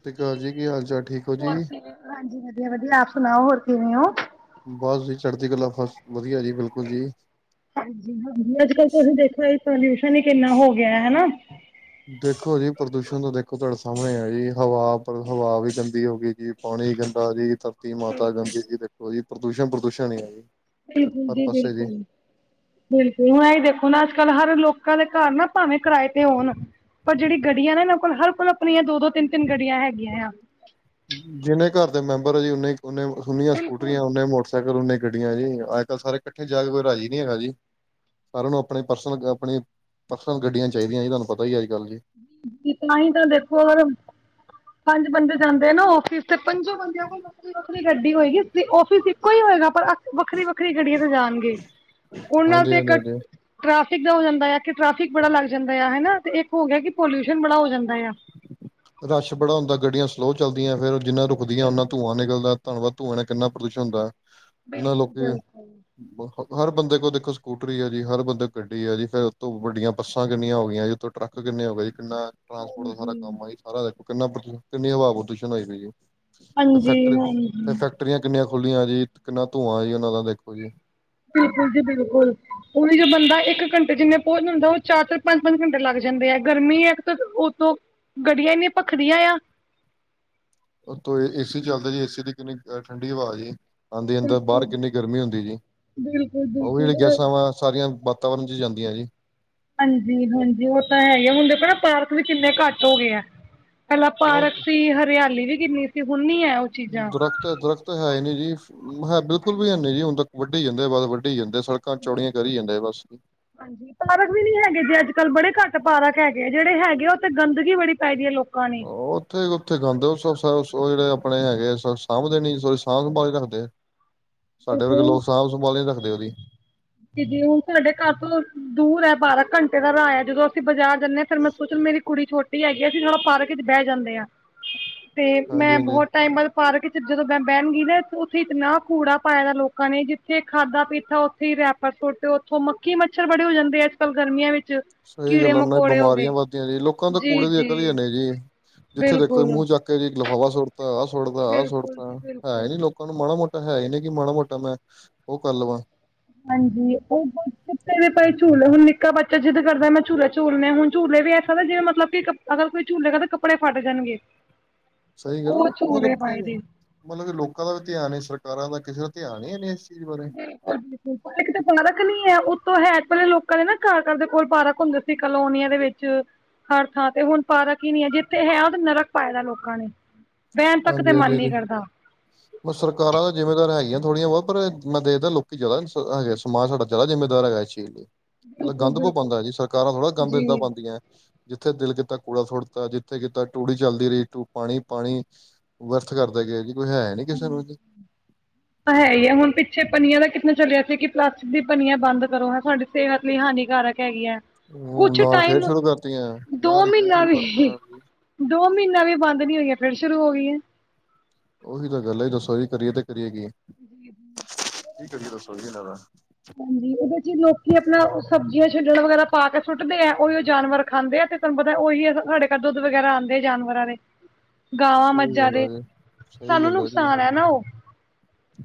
ਸਤਿ ਸ਼੍ਰੀ ਅਕਾਲ ਜੀ ਕੀ ਹਾਲ ਚਾਲ ਠੀਕ ਹੋ ਜੀ ਹੋਰ ਫਿਰ ਹਾਂਜੀ! ਵਧੀਆ ਵਧੀਆ ਆਪ ਸੁਣਾਓ ਹੋਰ। ਕਿਵੇਂ ਹੋ। ਬਸ ਜੀ! ਚੜ੍ਹਦੀ ਗੱਲਾਂ ਬਸ ਵਧੀਆ ਜੀ, ਬਿਲਕੁਲ ਜੀ। ਹਾਂਜੀ ਹਾਂਜੀ। ਅੱਜ ਕੱਲ ਤੁਸੀਂ ਦੇਖ ਪੋਲਿਊਸ਼ਨ ਹੀ ਕਿੰਨਾ ਹੋ ਗਿਆ ਹਨਾ। ਦੇਖੋ ਜੀ ਪ੍ਰਦੂਸ਼ਣ ਤਾਂ ਦੇਖੋ ਤੁਹਾਡੇ ਸਾਹਮਣੇ ਆ ਜੀ ਹਵਾ ਹਵਾ ਵੀ ਗੰਦੀ ਹੋ ਗਈ ਜੀ ਪਾਣੀ ਨ ਗੰਦਾ ਜੀ ਧਰਤੀ ਮਾਤਾ ਗਾਂਧੀ ਜੀ ਦੇਖੋ ਜੀ ਪ੍ਰਦੂਸ਼ਣ ਪ੍ਰਦੂਸ਼ਣ ਹੀ ਆ ਜੀ। ਬਿਲਕੁਲ ਹਰ ਜੀ ਪਾਸੇ ਬਿਲਕੁਲ ਬਿਲਕੁਲ ਹੁਣ ਇਹ ਦੇਖੋ ਨਾ ਅੱਜ ਕੱਲ ਹਰ ਲੋਕਾਂ ਦੇ ਘ ਨਾ ਭਾਵੇਂ ਕਿਰਾਏ ਤੇ ਹੋਉਣ ਪਰ ਜਿਹੜੀ ਗੱਡੀਆਂ ਨੇ ਇਹਨਾਂ ਕੋਲ ਹਰ ਕੋਲ ਆਪਣੀਆਂ ਦੋ ਦੋ ਤਿੰਨ ਤਿੰਨ ਗੱਡੀਆਂ ਹੈਗੀਆਂ ਆ। ਜਿੰਨੇ ਘਰ ਦੇ ਮੈਂਬਰ ਆ ਜੀ ਓਨੇ ਨੇ ਉਨੀਆਂ ਸਕੂਟਰੀਆਂ ਨੇ ਮੋਟਰਸਾਈਕਲ ਨੇ ਗੱਡੀਆਂ ਜੀ ਅੱਜ ਕੱਲ੍ਹ ਸਾਰੇ ਇਕੱਠੇ ਜਾ ਕੇ ਕੋਈ ਰਾਜੀ ਨੀ ਹੈਗਾ ਜੀ। ਸਾਰਿਆਂ ਨੂੰ ਆਪਣੇ ਪਰਸਨਲ ਆਪਣੀ ਪਰਸਨਲ ਗੱਡੀਆਂ ਚਾਹੀਦੀਆਂ ਸੀ ਤੁਹਾਨੂੰ ਪਤਾ ਹੀ ਹੈ। ਤਾਂ ਹੀ ਤਾਂ ਦੇਖੋ ਅਗਰ ਪੰਜ ਬੰਦੇ ਜਾਂਦੇ ਨਾ ਫਿਸ ਤੇ ਪੰਜੋ ਬੰਦਿਆਂ ਕੋਲ ਨੌਕਰੀ ਨੌਕਰੀ ਗੱਡੀ ਹੋਏਗੀ ਫਿਸ ਇੱਕੋ ਹੀ ਹੋਏਗਾ ਪਰ ਵੱਖਰੀ ਵੱਖਰੀ ਗੱਡੀਆਂ ਤੇ ਜਾਣਗੇ ਉਹਨਾਂ ਹਾਂਜੀ ਤੇ ਇੱਕ ਹਾਂਜੀ ਹਾਂਜੀ ਟ ਦਾ ਹੋ ਜਾਂਦਾ ਆ ਕਿ ਟ੍ਰੈਫਿਕ ਬੜਾ ਲੱਗ ਜਾਂਦਾ ਆ ਹਨਾ ਤੇ ਇੱਕ ਹੋ ਗਿਆ ਕਿ ਪੋਲਿਊਸ਼ਨ ਬੜਾ ਹੋ ਜਾਂਦਾ ਆ। ਰਸ਼ ਬੜਾ ਹੁੰਦਾ ਗੱਡੀਆਂ ਸਲੋਅ ਚੱਲਦੀਆਂ ਫੇਿਰ ਜਿੰਨਾ ਰੁਕਦੀਆਂ ਨਾ ਧੂੰਆਂ ਨਿਕਲਦਾ ਧੰਨਵਾਦ। ਧੂੰਆਂਣਾ ਕਿੰਨਾ ਪ੍ਰਦੂਸ਼ਣ ਹੁੰਦਾ ਉਹਨਾਂ ਬਿਲਕੁਲ ਲੋਕੀ ਬਿਲਕੁਲ ਹਰ ਬੰਦੇ ਕੋਲ ਦੇਖੋ ਸਕੂਟਰੀ ਆ ਜੀ ਹਰ ਬੰਦੇ ਗੱਡੀ ਆ ਜੀ ਫਿਰ ਉੱਥੋਂ ਵੱਡੀਆਂ ਬੱਸਾਂ ਕਿੰਨੀਆਂ ਹੋ ਗਆਂ ਜੀ ਉੱਥੋਂ ਟਰੱਕ ਕਿੰਨੇ ਹੋ ਗਏ ਜੀ। ਕਿੰਨਾ ਟਰਾਂਸਪੋਰਟ ਦਾ ਸਾਰਾ ਹਾਂਜੀ ਕੰਮ ਆ ਸਾਰਾ ਕਿੰ ਕਿੰਨੀ ਹਵਾ ਪ੍ਰਦੂਸ਼ਣ ਆਈ ਪਈ ਜ। ਫ ਹਾਂਜੀ ਫੈਕਟਰੀ ਹਾਂਜੀ ਫ ਫੈਕਟਰੀਆਂ ਕਿੰਨੀਆਂ ਖੁੱਲਲੀਆਂ ਜੀ ਕਿੰਨਾ ਧੂੰਆਂ ਜੀ ਉਹਨਾਂ ਦਾ ਦੇਖੋ ਜੀ। ਬਿਲਕੁਲ ਜੀ ਬਿਲਕੁਲ ਉਹੀ ਜੋ ਬੰਦਾ ਇੱਕ ਘੰਟੇ ਜਿੰਨੇ ਪਹੁੰਚ ਹੁੰਦਾ ਉਹ ਚਾਰ ਚਾਰ ਪੰਜ ਪੰਜ ਘੰਟੇ ਲੱਗ ਜਾਂ। ਜਾਂਦੇ ਆ ਗਰਮੀ ਹੈ ਉਤੋਂ ਗੜੀਆਂ ਇੰਨੀਆਂ ਭਖਦੀਆਂ ਆ। ਏਸੀ ਚੱਲਦਾ ਜੀ ਏਸੀ ਦੀ ਕਿੰਨੀ ਠੰਡੀ ਹਵਾ ਜੀ। ਹਾਂਦੀ ਅੰਦਰ ਬਾਹਰ ਬਿਲਕੁਲ ਕਿੰਨੀ ਗਰਮੀ ਹੁੰਦੀ ਜੀ। ਬਿਲਕੁਲ ਉਹ ਵੀ ਜਿਹੜੀਆਂ ਬਿਲਕੁਲ ਗੈਸਾਂ ਵਾ ਸਾਰੀਆਂ ਵਾਤਾਵਰਨ ਚ ਜਾਂਦੀਆਂ ਜੀ। ਹਾਂਜੀ ਹਾਂਜੀ ਉਹ ਤਾਂ ਹੈ ਹੀ ਹੁੰਦੇ ਨਾ ਪਾਰਕ ਵੀ ਕਿੰਨੇ ਘੱਟ ਹੋ ਗਏ ਆ। ਪਹਿਲਾਂ ਆਹ ਪਾਰਕ ਸੀ ਹਰਿਆਲੀ ਵੀ ਕਿੰਨੀ ਸੀ ਹ ਦਰਖਤ ਹੈ ਦਰਖ਼ਤ ਹੈ ਹੀ ਨਹੀਂ ਜੀ ਹੈ ਬਿਲਕੁਲ ਵੀ ਹੈਨੀ ਜੀ ਹੁਣ ਤ ਵੱ ਵੱਢੀ ਜਾਂਦੇ ਬਸ ਵੱਢੀ ਜਾਂਦੇ ਸੜਕਾਂ ਚੌੜੀਆਂ ਕਰੀ ਜਾਂਦੇ ਆ ਬਸ। ਜੀ। ਹਾਂਜੀ ਪਾਰਕ ਵੀ ਨੀ ਹੈਗੇ ਜੇ ਅੱਜ ਕੱਲ ਬੜੇ ਘੱਟ ਪਾਰਕ ਹੈਗੇ ਆ ਜਿਹੜੇ ਹੈਗੇ ਉ ਤੇ ਗੰਦਗੀ ਬੜੀ ਪੈ ਗਦੀ ਹੈ ਲੋਕ। ਉੱਥੇ ਉੱਥੇ ਗਾਂਂਦੇ ਜਿਹੜੇ ਆਪਣੇ ਹੈਗੇ ਸਾਂਭਦੇ ਨੀ ਸੋਰੀ ਸਾਂਭ ਸੰਭਾਲ ਰੱਖਦੇ ਤੇ ਸਾਡੇ ਵਰਗੇ ਲੋਕ ਸਾਂਭ ਸੰਭਾਲ ਰੱਖਦੇ। ਉਹਦੀ ਦੀਦੀ ਹੁਣ ਸਾਡੇ ਘਰ ਤੋਂ ਦੂਰ ਹੈ ਪਾਰਕ ਘੰਟੇ ਦਾ ਰਾਹ ਹੈ ਜਦੋਂ ਅਸੀਂ ਬਾਜ਼ਾਰ ਜਾਂਦੇ ਹਾਂ ਫੇਰ ਮੈਂ ਸੋਚ ਮੇਰੀ ਕੁੜੀ ਛੋਟੀ ਹੈਗੀ ਆ ਅਸੀਂ ਥੋੜ੍ਹਾ ਪਾਰਕ ਚ ਬਹਿ ਜਾਂਦੇ ਆਂ। ਤੇ ਹਾਂਜੀ ਮੈਂ ਹਾਂਜੀ ਬਹੁਤ ਟਾਈਮ ਬਾਦ ਪਾਰਕ ਚ ਜਦੋਂ ਮੈਂ ਬਹਿਣ ਗ ਨਾ ਉੱਥੇ ਇਤਨਾ ਕੂੜਾ ਪਾਇਏ ਦਾ ਲੋਕਾਂ ਨੇ ਜਿੱਥੇ ਖਾਧਾ ਪੀਤਾ ਉੱਥੇ ਹੀ ਰੈਪ ਬਸ ਤੁਹਾਡੇ ਉੱਥੋਂ ਮੱਕੀ-ਮੱਛਰ ਬੜੇ ਹੋ ਜਾਂਦੇ ਆ ਅੱਜ-ਕੱਲ ਗਰਮੀਆਂ ਵਿੱਚ। ਸਹੀ ਕੀੜੇ ਗੱਲਾਂ ਨਾ ਮਕੌੜੇ ਹੋ ਗਏ ਬਿਮਾਰੀਆਂ ਵੱਧਦੀਆਂ ਜੀ ਲੋਕਾਂ ਦੇ ਕੂੜੇ ਦੀ ਅਕਲ ਹੀ ਹੈਨ ਜੀ। ਜਿੱਥੇ ਦੇਖੋ ਜੀ ਬਿਲਕੁਲ ਮੂੰਹ ਚੱਕ ਕੇ ਜੀ ਲਿਫਾਵਾਾ ਸੁੱਟਤਾ, ਆਹ ਸੁੱਟਦਾ, ਆਹ ਬਿਲਕੁਲ ਸੁੱਟਤਾ ਜੀ ਹੈ ਬਿਲਕੁਲ ਹੀ ਨੀ ਲੋਕਾਂ ਨੂੰ ਮਾੜਾ ਮੋਟਾ। ਤਾਂ ਹੈ ਹੀ ਨੇ ਕਿ ਮਾੜਾ ਮੋਟਾ ਮੈਂ ਉਹ ਕਰ ਲਵਾਂ। ਹਾਂਜੀ, ਉਹ ਕਿੇ ਦੇ ਭਾਈ ਝੂਲੇ ਹੁਣ ਨਿੱਕਾ ਬੱਚਾ ਜਿੱਦ ਕਰਦਾ ਮੈਂ ਝੂਲਾ ਝੂਲਨ ਹੁਣ ਝੂਲੇ ਵੀ ਐਸ ਦੇ ਜਿਵੇਂ ਮਤਲਬ ਕਿ ਅਗਰ ਕੋਈ ਝੂਲੇ ਕਰਦੇ ਕੱਪੜੇ ਫੱਟ ਜਾਣਗੇ। ਸਹੀ ਗੱਲ ਉਹ ਮਤਲਬ ਝੂਲੇ ਕੀ ਪਾਏ ਦੇ ਮਤਲਬ ਕਿ ਲੋਕਾਂ ਦਾ ਵੀ ਧਿਆਨ ਸਰਕਾਰਾਂ ਦਾ ਕਿਸੇ ਦਾ ਧਿਆਨ ਨਹੀਂ। ਚੀਜ਼ ਬਾਰੇ ਿਲ ਇੱਕ ਤਾਂ ਫਣਾ ਰੱਖਣੀ ਹੈ। ਹੈ ਪਲੇ ਲੋਕਾਂ ਨੇ ਨਾ ਘਰ ਘਰ ਦੇ ਕੋਲ ਪਾਰਕ ਹੁੰਦੇ ਸੀ ਕਲੋਨੀਆਂ ਦੇ ਵਿੱਚ ਹਰ ਥਾਂ ਤੇ ਹੁਣ ਪਾਰਕ ਹੀ ਨੀ ਹੈ ਜਿੱਥੇ ਹੈ ਤੇ ਨਰਕ ਪਾਏ ਦਾ ਲੋਕਾਂ ਨੇ। ਬਹਿਣ ਤੱਕ ਤੇ ਹਾਂਜੀ ਹਾਂਜੀ ਮਨ ਨੀ ਹਾਂਜੀ ਕਰਦਾ ਮ ਸਰਕਾਰਾਂ ਤਾਂ ਜਿਮੇਦਾਰ ਹੈਗੀਆਂ। ਥੋੜ੍ਹੀਆਂ ਵਹੁ ਪਰ ਮੈਂ ਦੇਖਦਾ ਲੋਕੀ ਜਿਆਦਾ ਹੈਗਾ ਸਮਜ ਸਾਡਾ ਜ਼ਿਆਦਾ ਜਿੰਮੇਦਾਰ ਹੈਗਾ, ਇਸ ਚੀਜ਼ ਲਈ। ਮਤਲਬ ਬਿਲਕੁਲ ਗੰਦ ਬੋ ਬਿਲਕੁਲ ਪਾਉਂਦਾ ਜੀ ਸਰਕਾਰਾਂ ਥੋੜ੍ਹਾ ਗੰਦ ਇਦਾਂ ਜੀ ਪਾਉਂਦੀਆਂ ਹੈ। ਜਿੱਥੇ ਦਿਲ ਕਿ ਕੀਤਾ ਕੂੜਾ ਸੁਟਤਾ ਜਿੱਥੇ ਕਿ ਕੀਤਾ ਟੂੜੀ ਚੱਲਦੀ ਰਹੀ ਟੂ ਪਾਣੀ ਪਾਣੀ ਵਿਅਰਥ ਕਰਦਾ ਗ ਜੀ ਕੋਈ ਹੈ ਨੀ ਕਿਸੇ ਨੂੰ ਜੀ। ਤਾਂ ਹੈ ਹੀ ਹੈ, ਹੁਣ ਪਿੱਛੇ ਪਨੀਆਂ ਦਾ ਕਿੱਤਨਾ ਚੱਲਿਆ ਸੀ ਕਿ ਪਲਾਸਟਿਕ ਦੀ ਪਨੀਆਂ ਬੰਦ ਕਰੋ ਹ ਤੁਹਾਡੀ ਸਿਹਤ ਲਈ ਹਾਨੀਕਾਰਕ ਹੈਗਿਆ, ਉਹ ਕੁਛ ਨਾਲ ਫੇਰ ਟਾਈਮ ਸ਼ੁਰੂ ਕਰਤੀਆਂ ਦੋ ਨਾਲ ਹੀ ਫੇਰ ਮਹੀਨਾ ਸ਼ੁਰੂ ਕਰਤੀਆਂ ਵੀ ਨਾਲ ਜੀ ਦੋ ਮਹੀਨਾ ਵੀ ਬੰਦ ਨੀ ਹੋਈਆਂ, ਫਿਰ ਸ਼ੁਰੂ ਹੋ ਗਈਆਂ ਉਹੀ ਤਾਂ ਗੱਲ ਏ, ਦੱਸੋ ਜੀ ਕਰੀਏ ਤੇ ਕਰੀਏ ਕੀ [inaudible] ਕੀ ਕਰੀਏ ਦੱਸੋ ਜੀ ਇਹਨਾਂ ਦਾ ਹਾਂਜੀ, ਉਹਦੇ ਚ ਲੋਕੀ ਆਪਣਾ ਸਬਜ਼ੀਆਂ ਛੱਡਣ ਵਗੈਰਾ ਪਾ ਕੇ ਸੁੱਟਦੇ ਆ। ਉਹੀ ਉਹ ਜਾਨਵਰ ਖਾਂਦੇ ਆ ਤੇ ਤੁਹਾਨੂੰ ਪਤਾ ਉਹੀ ਸਾਡੇ ਘਰ ਦੁੱਧ ਵਗੈਰਾ ਆਉਂਦੇ ਆ ਜਾਨਵਰਾਂ ਦੇ। [inaudible] ਗਾਵਾਂ ਸਹੀ ਮੱਝਾਂ ਗੱਲ ਦੇ, ਹੈ ਜੀ ਸਹੀ ਸਾਨੂੰ ਗੱਲ ਜੀ ਨੁਕਸਾਨ ਹੈ ਨਾ ਉਹ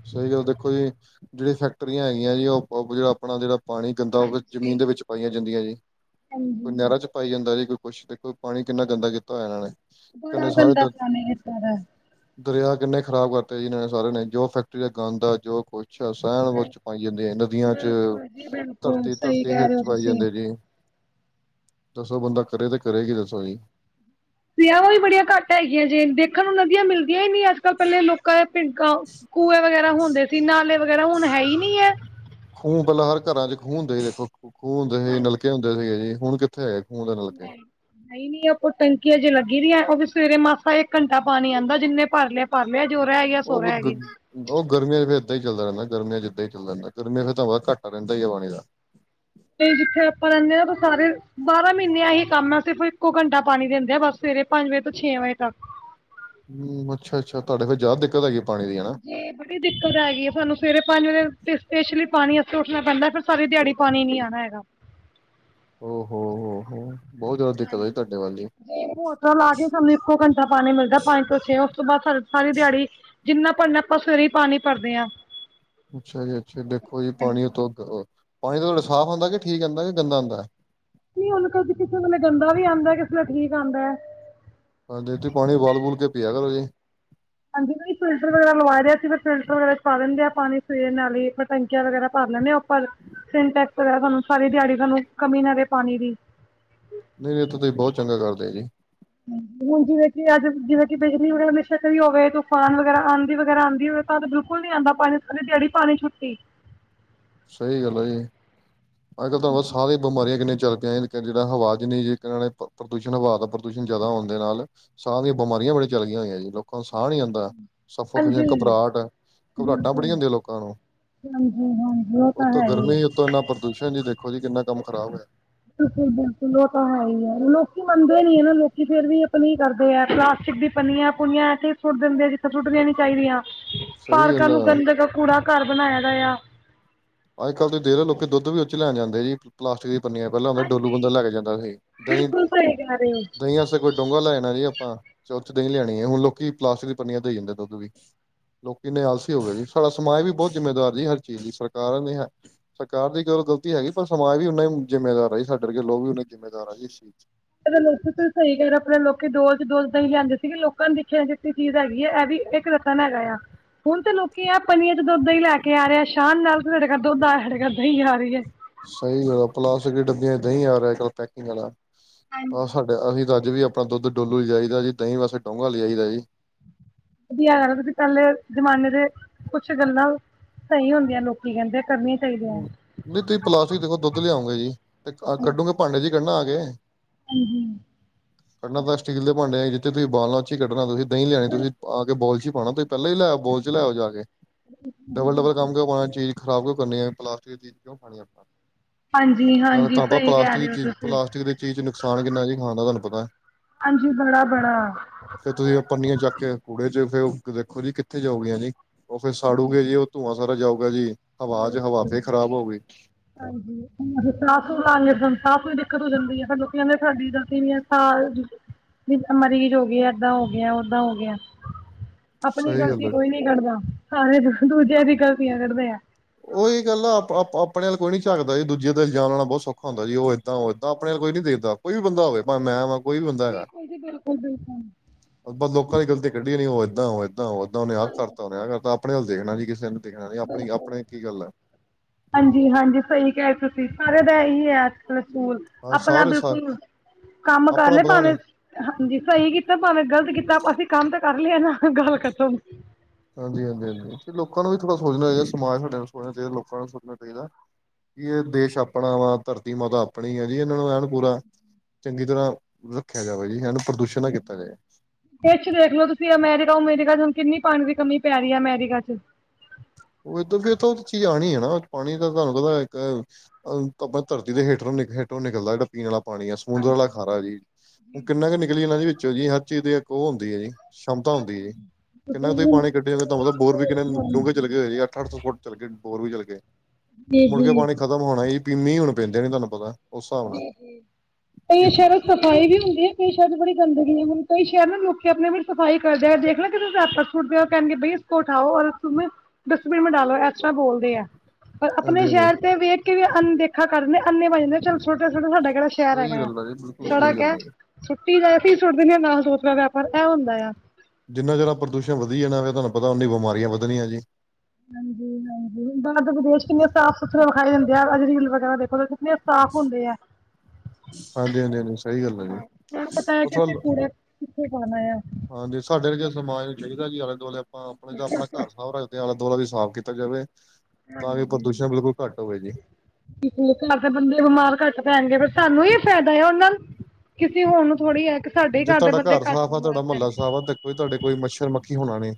ਸਹੀ ਗੱਲ ਦੇਖੋ ਜੀ, ਜਿਹੜੀ ਫੈਕਟਰੀਆਂ ਹੈਗੀਆਂ ਜੀ ਉਹ ਜਿਹੜਾ ਆਪਣਾ ਜਿਹੜਾ ਪਾਣੀ ਗੰਦਾ ਹੋਵੇ ਹਾਂਜੀ। ਜ਼ਮੀਨ ਦੇ ਵਿੱਚ ਪਾਈਆਂ ਜਾਂਦੀਆਂ ਜੀ। ਕੋਈ ਹਾਂਜੀ ਨਹਿਰਾਂ ਚ ਪਾਇ ਜਾਂਦਾ ਜੀ ਕੋ ਕੁਛ ਦੇਖੋ ਪਾਣੀ ਕਿੰਨਾ ਗੰਦਾ ਕੀਤਾ ਹੋਇਆ ਇਹਨਾਂ ਨੇ। ਬੜਾ ਕਿੰਨੇ ਸਾਰੇ ਗੰਦਾ ਦ ਸਮੇ ਇਦਾਂ ਦਾ। ਦਰਿਆ ਕਿੰਨੇ ਖ਼ਰਾਬ ਕਰਤੇ ਜਿਨਾਂ ਨੇ ਸਾਰਿਆਂ ਨੇ, ਜੋ ਫੈਕਟਰੀ ਦਾ ਗੰਦ ਆ ਜੋ ਕੁਛ ਅੱਛਾ, ਸਹਿਣ ਵੱਲ ਚ ਪਾਈ ਜਾਂਦੀ ਹੈ, ਨਦੀਆਂ ਚ, ਸਹੀ ਧਰਤੀ-ਧਰਤੀ ਕਹਿ ਹੇਠ ਰਹੇ ਹੋ ਚ ਪਾਈ ਤੁਸੀਂ ਜਾਂਦੇ ਜੀ। ਦੱਸੋ ਬੰਦਾ ਕਰੇ ਤਾਂ ਕਰੇ ਕੀ ਦੱਸੋ ਜੀ? ਸੇਵਾਂ ਵੀ ਬੜੀਆਂ ਘੱਟ ਹੈਗੀਆਂ, ਜੇ ਦੇਖਣ ਨੂੰ ਨਦੀਆਂ ਮਿਲਦੀਆਂ ਹੀ ਨਹੀਂ ਅੱਜ-ਕੱਲ ਪਹਿਲੇ ਲੋਕਾਂ ਭਿੰਕਾਂ ਕੂਹੇ ਵਗੈਰਾ ਹੁੰਦੇ ਸੀ, ਨਾਲੇ ਵਗੈਰਾ ਹੁਣ ਹੈ ਹੀ ਨਹੀਂ ਏ। ਖੂਹ ਪਹਿਲਾਂ ਹਰ ਘਰਾਂ ਚ ਖੂਹ ਹੁੰਦੇ ਸੀ ਦੇਖੋ, ਖੂਹ ਹੁੰਦੇ ਸੀ, ਨਲਕੇ ਹੁੰਦੇ ਸੀਗੇ ਜੀ ਹੁਣ ਕਿੱਥੇ ਹੈ? ਨਹੀਂ-ਨਹੀਂ ਆਪ ਟੈਂਕੀਆ ਜੇ ਲੱਗੀ ਦੀਆਂ ਉਹਦੇ ਚ ਸਵੇਰੇ ਮਾਸਾ ਇੱਕ ਘੰਟਾ ਪਾਣੀ ਆਉਂਦਾ ਜਿੰਨੇ ਭਰ ਲਿਆ ਭਰ ਲਿਆ ਜੋ ਰਹਿ ਗਿਆ ਸੋ ਰਹਿ ਗਿਆ। ਉਹ-ਉਹ ਗਰਮੀਆਂ ਚ ਫਿਰ ਏਦਾਂ ਹੀ ਚੱਲਦਾ ਰਹਿੰਦਾ। ਗਰਮੀਆਂ ਜਿੱਦਾਂ ਹੀ ਚੱਲ ਜਾਂਦਾ। ਗਰਮੀਆਂ ਫਿਰ ਤਾਂ ਵਧ- ਘਾਟਾ ਰਹਿੰਦਾ ਹੀ ਹੈ ਪਾਣੀ ਦਾ। ਤੇ ਜਿੱਥੇ ਆਪਾਂ ਰਹਿੰਦੇ ਹਾਂ ਤਾਂ ਸਾਰੇ, ਬਾਰਾਂ ਮਹੀਨਿਆਂ ਏਹੀ ਕੰਮ ਆ ਸਿਰਫ ਇੱਕੋ ਘੰਟਾ ਪਾਣੀ ਦਿੰਦੇ ਆ ਬਸ ਫਿਰ ਸਵੇਰੇ ਪੰਜ ਵਜੇ ਤੋਂ ਛੇ ਵਜੇ ਤੱਕ। ਹੂੰ, ਅੱਛਾ-ਅੱਛਾ, ਤੁਹਾਡੇ ਫੇਰ ਜ਼ਿਆਦਾ ਦਿੱਕਤ ਹੈਗੀ। ਪਾਣੀ ਦੀ ਹਨਾ ਜੀ ਬੜੀ ਦਿੱਕਤ ਹੈਗੀਈ ਹੈ। ਸਾਨੂੰ ਸਵੇਰੇ ਪੰਜ ਵਜੇ ਸਪਸ਼ਲੀ ਪਾਣੀ ਵਾਸਤੇ ਉੱਠਣਾ ਪੈਂਦਾ ਫਿਰ ਸਾਰੀ ਦਿਹਾੜੀ ਪਾਣੀ ਨੀ ਆਣਾ ਹੈਗਾ। ਹੋ-ਹੋ, ਹੋ-ਹੋ ਬਹੁਤ ਜ਼ਿਆਦਾ ਦਿੱਕਤ ਆਈ ਤੁਹਾਡੇ ਵੱਲ ਦੀ। ਮੌਟਰਾ ਲਾ ਕੇ ਸਾਨੂੰ ਇੱਕੋ ਘੰਟਾ ਪਾਣੀ ਮਿਲਦਾ ਪੰਜ ਤੋਂ ਛੇ ਉਸ ਤੋਂ ਬਾਅਦ ਸ ਸਾਰੀ ਦਿਹਾੜੀ ਜਿੰਨਾ ਭਰਨਾ ਆਪਾਂ ਸਵੇਰੇ ਈ ਪਾਣੀ ਭਰਦੇ ਹਾਂ ਅੱਛਾ ਜੀ, ਅੱਛਾ ਜੀ ਦੇਖੋ ਇਹ ਪਾਣੀ ਦੁੱਧ ਅ ਪਾਣੀ ਤਾਂ ਤੁਹਾਡਾ ਸਾਫ਼ ਆਂਦਾ, ਕਿ ਠੀਕ ਆਂਦਾ, ਕਿ ਗੰਦਾ ਹੁੰਦਾ ਹੈ ਲੈ ਠੀਕ ਆਂਹਦਾ ਹੈ ਹ ਦੇਤੀ ਪਾਣੀ ਬਾਲ ਬੂਲ ਕੇ ਪੀਆ ਕਰੋ ਜੀ ਹਾਂਜੀ ਨਹੀਂ ਫਿਲਟਰ ਵਾਰਾ ਲਵਾ ਲਿਆ ਸੀ ਫਿਲਟਰ ਵਗੈਰਾ ਚ ਪਾ ਦਿੰਦੇਆ ਪਾਣੀ, ਸਵੇਰ ਨਾਲ ਈਪਰ ਟੈਂਕੀਆਂ ਵਗੈਰਾ ਪਾ ਲੈਂ [inaudible] ਦੇ ਉੱਪਰ। ਸਿੰਟੈਕਸ ਵਗੇਰਾ ਸਾਨੂੰ ਸਾਰੀ ਦਿਹਾੜੀ ਸਾਨੂੰ ਕਮੀ ਨਾ ਰਹੇ ਪਾਣੀ ਦੀ ਨਹੀਂ, ਇਹ ਤਾਂ ਤੁਸੀ ਬਹੁਤ ਚੰਗਾ ਕਰਦੇ ਜੇ ਹੁਣ ਜਿਵੇਂ ਕਿ ਅੱਜ। ਜਿਵੇਂ ਕਿ ਬਿਜਲੀ ਉਰੇ ਹਮੇਸ਼ਾ ਗਈ ਦੀ ਹੋਵੇ ਤੂਫਾਨ ਵਗੈਰਾ ਆਂਧੀ ਵਗੈਰਾ ਆਉਂਦੀ ਹੋਵੇ ਤਾਂ ਤਾਂ ਬਿਲਕੁਲ ਨੀ ਆਉਂਦਾ ਪਾਣੀ ਸਾਰੀ ਦਿਹਾੜੀ ਪਾਣੀ ਛੁੱਟੀ ਸਹੀ ਗੱਲ ਆ ਜੀ। ਅੱਜ ਕੱਲ ਤਾਂ ਬਸ ਸਾਹ ਦੀ ਬਿਮਾਰੀ ਕਿੰਨੀ ਚੱਲ ਪਿਆ ਜਿਹੜਾ ਹਵਾ ਚ ਨ ਜੇ ਪ੍ਰਦੂਸ਼ਣ ਹਵਾ ਦਾ ਪ੍ਰਦੂਸ਼ਣ ਜ਼ਿਆਦਾ ਆਣ ਦੇ ਨਾਲ। ਸਾਹ ਦਿਆਂ ਬਿਮਾਰੀਆਂ ਬੜੀਆਂ ਚਲ ਗਈ ਹੋਈਆਂ ਜੀ ਲੋਕ ਸਾਹ ਨੀ ਹੀ ਆਉਦਾ ਸਫੋਗੇਸ਼ਨ ਹਾਂਜੀ ਘਬਰਾਹਟ, ਘਬਰਾਹਟਾਂ ਬੜੀਆਂ ਹੁੰਦੀਆਂ ਲੋਕਾਂ ਨੂੰ। ਹਾਂਜੀ। ਹਾਂਜੀ ਉਹ ਤਾਂ ਉਤੋਂ ਹੈ ਹੀ ਹੈ ਗਰਮੀ ਉਤੋਂ ਇੰਨਾ ਪ੍ਰਦੂਸ਼ਣ ਜੀ ਦੇਖੋ ਜੀ ਕਿੰਨਾ ਕੰਮ ਖਰਾਬ ਹੈ। ਬਿਲਕੁਲ-ਬਿਲਕੁਲ ਉਹ ਤਾਂ ਹੈ ਹੀ ਹੈ। ਲੋਕੀ ਮੰਨਦੇ ਨੀ ਐ ਨਾ ਲੋਕੀ ਫੇਰ ਵੀ ਆਪਣੀ ਕਰਦੇ ਹੈ। ਘਰ ਚ ਦੀ ਪਨੀਆਂ ਪੁੁੰਨੀਆਂ ਇਥੇ ਈ ਸੁੱਟ ਦਿੰਦੇ ਆ, ਜਿੱਥੇ ਸੁੱਟਣੀਆਂ ਨੀ ਚਾਹੀਦੀਆਂ ਸਹੀ ਪਾਰਕਾਂ ਗੱਲ ਨੂੰ ਹੈ ਗੰਦ ਕਾ ਕੂੜਾ ਘਰ ਬਣਾਇਆ ਗਿਆ ਅੱਜ ਕੱਲ੍ਹ ਤਾਂ ਦੇਰ ਲੋਕ ਦੁੱਧ ਵੀ ਉ ਚ ਲੈਣ ਜਾਂਦੇ ਆ ਜੀ, ਪਲਾਸਟਿਕ ਚ ਪੰਨੀਆਂ ਪਹਿਲਾਂ ਹੁੰਦਾ ਡੋਲੂ ਹਾਂਜੀ ਬੰਦਾ ਲੈ ਕੇ ਜਾਂਦਾ ਸੀ ਦਹੀਂ, ਬਿਲਕੁਲ ਸਹੀ ਕਹਿ ਰਹੇ ਹੋ। ਦਹੀਂ ਵਸਤੇ ਕੋਈ ਡੋਂਘਾ ਲੈ ਜਾਣਾ ਸੀ ਗਾ ਪਾਂ ਚ ਉਹ ਚ ਦਹੀਂ ਲਿਆਣੀ ਹੈ ਹੁਣ ਲੋਕੀ ਪਲਾਸਟਿਕ ਦੀ ਪੰਨੀਆਂ ਦੇਈ ਜਾਂਦੇ ਆ ਦੁੱਧ ਵੀ। ਲੋਕੀ ਇਨੇ ਆਲਸੀ ਹੋਗੇ ਜੀ ਸਾਲਾ ਸਮਾਜ ਵੀ ਬਹੁਤ ਜਿੰਮੇਦਾਰ ਜੀ, ਹਰ ਚੀਜ਼ ਦੀ ਸ ਕਾਰਨ ਨਹੀਂ ਹੈ, ਸਰਕਾਰ ਦੀ ਗੱਲ ਗ਼ਲਤੀ ਹੈਗੀ ਪਰ ਸਮਾਜ ਵੀ ਉਹਨਾ ਜਿੰਮੇਦਾਰ ਆ ਜੀ, ਸਾਡੇ ਵਰਗੇ ਲੋਕ ਵੀ ਉਹਨੇ ਜਿੰਮੇਦਾਰ ਦਾਰ ਆ ਜੀ ਸੀ ਚ- ਇਹ ਤਾ ਲੋਕ ਸਹੀ ਗ ਆਪਣੇ ਲੋਕੀ ਦੋ ਚ ਦੋਲਦਹੀਂ ਲਿਆਂਦੇ ਸੀਗੇ ਲੋਕਾਂ ਨੂੰ ਦੇਖਿਆ ਜਤੀ ਚੀਜ਼ ਹੈਗੀ ਹੈ ਇਹ ਵੀ ਇੱਕ ਰਤਨ ਹੈਗਾ ਆ ਹੁਣ ਤੇ ਲੋਕੀ ਆ ਪੰਨੀਆਂ ਚ ਦੁੱਧ ਦਈ ਲੈ ਕੇ ਆ ਰਿਹਾ ਸ਼ਾਨ ਨਾਲ ਸਾਡੇ ਘਰ ਦੁੱਧ ਆ ਹਡੇ ਘ ਦਹੀਂ ਆ ਰਹੀ ਏ। ਸਈ ਗੱਲ ਆ ਪਲਾਸਟਿਕ ਦੀਆਂ ਡੱਬੀਆਂ ਚ ਦਹੀਂ ਆ ਰਿਹਾ ਅਜ ਕੱਲ੍ਹ ਪੈਕਿੰਗ ਵਾਲਾ ਆਹ ਸਾਡੇ ਅਸੀਂ ਤਾਂ ਅੱਜ ਵੀ ਅ ਆ- ਦੁੱਧ ਡੋਲੂ ਈ ਚਾਈਦਾ ਜੀ ਦਹੀਂ ਵਾਸਤੇ ਡੋਂਘਾ ਲੈ ਆਈਦਾ ਜੀ। ਵਧੀਆ ਗੱਲ ਆ ਤੁਸੀ ਪਹਿਲੇ ਜਮਾਨੇ ਦੇ ਕੁੱਛ ਗੱਲਾਂ ਸਹੀ ਹੁੰਦੀਆਂ ਲੋਕੀ ਕਹਿੰਦੇ ਕਰਨੀਆਂ ਚਾਹੀਦੀਆਂ। ਨਹੀਂ ਤੁਸੀਂ ਪਲਾਸਟਿਕ ਦੇਖੋ ਦੁੱਧ ਲਿਆਉਗੇ ਜੀ ਤੇ ਅ ਕੱਢੋਗੇ ਭਾਂਡੇ ਜੀ ਕੱਢਣਾ ਆ ਕੇ। ਹੂੰ-ਹੂੰ ਕੱਢਣਾ ਤਾਂ ਸਟੀਲ ਦੇ ਭਾਂਡੇ ਚੀ ਜਿੱਥੇ ਤੁਸੀਂ ਬਾਲਣਾ ਚੀ ਕੱਢਣਾ ਤੁਸੀਂ ਦਹੀਂ ਲਿਆਣੀ ਤੁਸੀਂ ਆ ਕੇ ਬੋਲਚੀ ਪਾਉਣਾ ਤੁਸੀਂ ਪਹਿਲਾਂ ਈ ਲੈਓ ਬੋਲ ਚ ਲੈਓ ਜਾ ਕੇ, ਡਬਲ-ਡਬਲ ਕੰਮ ਕਰ ਪਾਉਣਾ ਚੀਜ਼ ਖਰਾਬ ਕ ਪੰਨੀ ਐ ਪਲਾਸਟਿਕ ਚਜ਼ ਕਿਉਂ ਖਾਣੀ ਆਪਾਂ। ਨਾਲੇ ਹਾਂਜੀ-ਹਾਂਜੀ ਤਾਂ ਆਪਾਂ ਸਹੀ ਕਹਿ ਪਲਾਸਟਿਕ ਰਹੇ ਦੀ ਹੋ ਚੀਜ਼ ਤੁਸੀਂ। ਪਲਾਸਟਿਕ ਦੀ ਚੀਜ਼ ਚ ਨੁਕਸਾਨ ਕਿੰਨਾ ਜੀ ਖਾਣ ਦਾ ਤੁਹਾਨੂੰ ਪਤਾ ਐ। ਹਾਂਜੀ ਬੜਾ-ਬੜਾ ਫੇਰ ਤੁਸੀਂ ਅ ਪੰਨੀਆਂ ਚੱਕ ਕੇ ਆ ਕੂੜੇ ਚ ਫੇਰ ਦੇਖੋ ਜੀ ਕਿੱਥੇ ਜਾਉਗੀਆ ਜੀ ਉਹ ਫੇਰ ਸਾੜੂਗੇ ਜੀ ਉਹ ਧੂੰਆਂ ਸਾਰਾ ਜਾਊਗਾ ਜੀ। ਹਵਾਜ਼ ਹਵਾ ਫੇ ਖ਼ਰਾਬ ਹੋ ਗੀ। ਹਾਂਜੀ ਸਾਹ ਸੁਹ ਲਾਏਦ ਤਾਂ ਕੋਈ ਦਿੱਕਤ ਹੋ ਜਾਂਦੀ ਐ। ਲੋਕੀ ਕਹਿੰਦੇ ਆ ਸਾਡੀ ਗਲਤੀ ਨੀ ਆ ਸਾਲ ਚ ਵੀ ਮਰੀਜ਼ ਹੋ ਗਈ ਆ ਏਦਾਂ ਹੋ ਗਿਆ ਓਦਾਂ ਹੋ ਗਿਆ। ਆਪਣੀ ਸਹੀ ਗੱਲ ਗ਼ਲਤੀ ਹੈ। ਕੋਈ ਨੀ ਕੱਢਦਾ ਸਾਰੇ ਹੁ ਦੂਜਿਆਂ ਦੀ ਗ਼ਲਤੀਆਂ ਕੱਢਦੇ ਆ। ਉਹੀ ਗੱਲ ਆ ਆਪ-ਆਪ ਆਪਣੇ ਵਲ ਕੋਈ ਨੀ ਝਾਕਦਾ ਏ ਦੂਜੇ ਤੇ ਇਲਜਾਮ ਲਾਉਣਾ ਬਹੁਤ ਸੌਖਾ ਹੁੰਦਾ ਜੀ ਉਹ ਏਦਾਂ ਉਹ ਏਦਾਂ ਆਪਣੇ ਕੋਈ ਨੀ ਦੇਖਦਾ ਕੋਈ ਵੀ ਬੰਦਾ ਹੋਵੇ ਭਾਵ ਮੈਂ ਵਾਂ ਕੋਈ ਵੀ ਬੰਦਾ ਹੈਗਾ, ਬਿਲਕੁਲ ਜੀ ਬਿਲਕੁਲ ਬਿਲਕੁਲ ਆਪਾਂ ਲੋਕਾਂ ਦੀ ਗ਼ਲਤੀ ਕੱਢੀ ਜਾਣੀ ਓ ਏਦਾਂ ਓ ਏਦਾਂ ਓ ਏਦਾਂ ਉਹਨ ਆਹ ਕਰਤਾ ਉਹਨ ਆਹਤਾ ਆਪ ਵਲ ਦੇਖਣਾ ਜੀ ਕਿਸੇ ਨੇ ਦੇਖਣਾ ਨੀ ਆਪਣੀ ਆਪਣੇ ਕੀ ਗੱਲ ਹੈ ਹਾਂਜੀ-ਹਾਂਜੀ ਸਹੀ ਕਹਿ ਤੁਸੀਂ ਸਾਰੇ ਦਾ ਇਹੀ ਐ ਅੱਜਕਲ ਸਕੂਲ ਹਾਂ ਆਪਣਾ ਸਾਰੇ ਸਾ ਬਿਲਕੁਲ ਕੰਮ ਕਰ ਆਪਣਾ ਲੇ ਪਤਾ ਨੀ ਭਾਵੇਂ ਹ ਹਾਂਜੀ ਸਹੀ ਕੀਤਾ ਭਾਵੇਂ ਗ਼ਲਤ ਕੀਤਾ ਤਾਂ ਅਸੀਂ ਕੰਮ ਤਾਂ ਕਰ ਲਿਆ ਨਾ ਗੱਲ ਖਤਮ ਹਾਂਜੀ-ਹਾਂਜੀ-ਹਾਂਜੀ ਲੋਕਾਂ ਨੂੰ ਵੀ ਥੋੜ੍ਹਾ ਸੋਚਣਾ ਚਾਹੀਦਾ ਸਮਾਜ ਸਾਡੇ ਸੋਚਣਾ ਚਾਹੀਦਾ ਲੋਕਾਂ ਨੂੰ ਸੋਚਣਾ ਚਾਹੀਦਾ। ਵੀ ਇਹ ਦੇਸ਼ ਆਪਣਾ ਵਾ ਧਰਤੀ ਮਾਤਾ ਆਪਣੀ ਆ ਜੀ ਇਹਨਾਂ ਨੂੰ ਐਣ ਪੂਰਾ ਚੰਗੀ ਤਰ੍ਹਾਂ ਰੱਖਿਆ ਜਾਵੇ ਜੀ ਹਨ ਕਿਛ ਦੇਖਲੋ ਤੁਸੀਂ ਅਮੈਰੀਕਾ ਅਮੇਰੀਕਾ ਹਾਨ ਕਿੰਨੀ ਪਾਣੀ ਕਮੀ ਪੈ ਰੀ ਆ ਅਮੈਰੀਕਾ ਚ। ਉਹ ਦ ਤਾਂ ਉਹ ਚੀਜ਼ ਆਣੀ ਏ ਨਾ ਪਾਣੀ ਤਾਂ ਤੁਹਾਨੂੰ ਕਹਿੰ ਇੱਕ ਅਹ ਅਹ ਆਪਣੇ ਧਰਤੀ ਦੇ ਹੇਠ ਨੂੰ ਹੇਠੋ ਨਿਕਲਦਾ ਅ ਜਿੜਾ ਪੀਣਾ ਆ ਪਾਣੀ ਆ ਸਮੁੰਦਰ ਵਾਲਾ ਖਾਰਾ ਜੀ ਹੁਣ ਕਿੰਨਾ ਕੁ ਨਿਕਲੀ ਇਹਨਾਂ ਜ ਵਿੱਚੋਂ ਜੀ ਹਰ ਚੀਜ਼ ਦੀ ਇੱਕ ਉਹ ਹੁੰਦੀ ਐ ਜੀ। ਸਮਤਾ ਹੁੰਦੀ ਏ, ਕਿੰਨਾ ਕੁ ਤੁਸੀਂ ਪਾਣੀ ਕੱਢਿਆ ਜਾਂਦੇ ਤਾਂ ਮਤਲਬ ਬੋਰ ਵੀ ਕਿੰਨੇ ਅ ਡੂੰਘੇ ਅੱਠ-ਅੱਠ ਸੌ ਫੁੱਟ ਚੱਲ ਗਏ ਬੋਰ ਵੀ ਚੱਲ ਗੇ ਮੁੜ ਕੇ ਪਾਣੀ ਖਤਮ ਹੋਣਾ ਹੀ ਪੀਂਨੀ ਹੁਣ ਪੈਂਦੇ ਨੇ ਤੁਹਾਨੂੰ ਪਤਾ ਉਸ ਹਿਸਾਬ ਨਾਲ ਕਈ ਸ਼ਹਿਰ ਚ ਸਫ਼ਾਈ ਵੀ ਹੁੰਦੀ ਏ ਕਈ ਸ਼ਹਿਰ ਚ ਬੜੀ ਗੰਦਗੀ ਏ ਕਈ ਕਹਿੰਦੇ ਲੋਕੀ ਆਪ ਵੀ ਸਫ਼ਾਈ ਕਰਦੇ ਆ, ਦੇਖ ਲਿਆ ਕਿਤੇ ਤੁਸੀ ਰੇਪਰ ਸੁੱਟਦੇ ਓ ਕਹਿਣਗੇ ਬਈ ਇਸ ਉਠਾਓ ਅਰ ਡਸਟਬਿਨ ਮੇਂ ਡਾਲੋ ਐਸ ਤਰਾ ਬੋਲਦੇ ਆ ਪਰ ਆਪਣੇ ਹਾਂਜੀ ਹਾਂਜੀ ਸ਼ਹਿਰ ਤੇ ਵੇਖ ਕੇ ਵੀ ਅਨਦੇਖਾ ਕਰਦੇ ਅੰਨੇ ਵਜ ਚੱਲ ਛੋਟੇ-ਛੋਟੇ ਸਾਡਾ ਕਿਹੜਾ ਸ਼ਹਿਰ ਹੈਗਾ ਸਹੀ ਆ ਗੱਲ ਜੀ ਬਿਲਕੁਲ ਸਹੀ ਸੜਕ ਗੱਲ ਐ। ਆ ਜੀ ਟੀ ਦਾਸੀ ਸੁੱਟ ਦਿੰਦੇ ਹ ਨਾ ਸੋਚਦਾਆਪ ਪਰ ਇਹ ਹੁੰਦਾ ਆ। ਜਿੰਨਾ ਜ਼ਦਾ ਪ੍ਰਦੂਸ਼ਣ ਵਧੀ ਜਾਨਾਂ ਫੇਰ ਤੁਹਾਨੂੰ ਪਤਾ ਉਨੀ ਬਿਮਾਰੀਆਂ ਵਧਣੀਆਂ ਜੀ। ਹਾਂਜੀ, ਹਾਂਜੀ, ਬਾਹਰ ਦੇ ਵਿਦੇਸ਼ ਕਿੰਨੇ ਸਾਫ਼-ਸੁਥਰੇ ਵਖਾਏ ਦਿੰਦੇ ਆ ਅਜ ਰੀਲ ਵਗੈਰਾ ਦੇਖੋ ਕਿਨੇ ਸਾਫ਼ ਹੁੰਦੇ ਐ। ਹਾਂਜੀ, ਹਾਂਜੀ, ਹਾਂਜੀ, ਸਹੀ ਗੱਲ ਆ ਜੀ, ਇਹ ਪਤਾ ਹੈ ਕਿ ਉਹਥੇ ਅਸੀਂ ਕੂੜੇ ਕਿੱਥੇ ਪਾਉਣਾ ਆ ਹਾਂਜੀ, ਸਾਡੇ ਅਰਗੇ ਸਮਾਜ ਚਾਹੀ ਦਾ ਜੀ, ਆਲੇ-ਦੁਆਲੇ ਆਪਾਂ ਆਪਣੇ ਆਪਣਾ ਘਰ ਸਾਫ਼ ਰੱਖਦੇ ਆ, ਆਲੇ ਦੁਆਲਾ ਵੀ ਸਾਫ਼ ਕੀਤਾ ਜਾਵੇ। ਤਾਂ ਕਿ ਪ੍ਰਦੂਸ਼ਣ ਬਿਲਕੁਲ ਘੱਟ ਹੋਵੇ ਜੀ ਘਰ ਦੇ ਬੰਦੇ ਬਿਮਾਰ ਘੱਟ ਪੈਣਗੇ ਸਾਨੂੰ ਹੀ ਫਾਇਦਾ ਆ ਉਹਨਾ ਕਿਸੇ ਹੋਰ ਨੂੰ ਥੋੜ੍ਹੀ ਏ, ਸਾਡੇ ਜੇ ਘਰ ਦੇ ਤੁਹਾਡਾ ਬੰਦੇ ਕਟ ਸਾਫ਼ ਆ ਬੀਮਾਰ ਪੈਣਗੇ। ਕੀ ਹੋਣਾ ਨੇ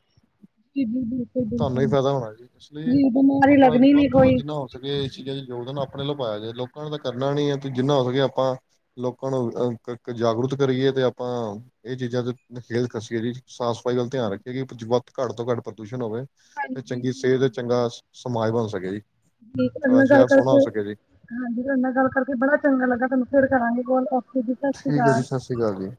ਜੀ ਜੀ। ਤੁਹਾਨੂੰ ਹੀ ਫੈਦਾ ਹੋਣਾ ਜੀ। ਇਸ ਲੀਏ ਬਿਮਾਰੀ ਆਪਣਾ ਲੱਗਣੀ ਵੱਧ ਨੀ ਤੋਂ ਵੱਧ, ਕੋਈ ਜਿੰਨਾ ਹੋ ਸਕੇ, ਇਸ ਚੀਜ਼ਾਂ ਚ ਯੋਗਦਾਨ ਆਪਣੇ ਵੱਲੋ ਪਾਯਾ ਜੇ। ਲੋਕਾਂ ਨੂੰ ਤਾਂ ਕਰਨਾ ਨੀ ਏ। ਤੇ ਜਿੰਨਾ ਹੋ ਸਕੇ, ਆਪਾਂ ਲੋਕਾਂ ਨੂੰ ਅ ਜਾਗਰੂਕ ਕਰੀਏ। ਤੇ ਆਪਾਂ ਇਹ ਚੀਜ਼ਾਂ ਤੇ ਖੇਲ ਖਸੀਏ ਜ, ਸਾਫ਼ ਸਫ਼ਾਈ ਵੱਲ ਧਿਆਨ ਰੱਖੀਏ। ਕਿ ਵਤ ਘੱਟ ਤੋਂ ਘੱਟ ਪ੍ਰਦੂਸ਼ਣ ਹੋਵੇ, ਤੇ ਚੰਗੀ ਸਿਹਤ ਤੇ ਚੰਗਾ ਸਮਾਜ ਬਣ ਸਕੇ ਜੀ। ਸਾਡਾ ਤੁਹਾਨਾ ਗੱਲ ਸ਼ਹਿਰ ਸੋਹਣਾ ਕਰਕੇ, ਹੋ ਸਕੇ ਜੀ ਹਾਂਜੀ, ਤੁਹਾਨੇ ਨਾਲ ਗੱਲ ਕਰਕੇ ਬੜਾ ਚੰਗਾ ਲੱਗਾ, ਤੁਹਨੂੰ ਫੇਰ ਕਰਾਂਗੀ। ਠੀਕ ਏ ਜੀ। ਸਤਿ ਸ੍ਰੀ ਕਾਲ ਜੀ।